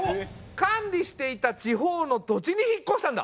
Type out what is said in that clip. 管理していた地方の土地に引っこしたんだ。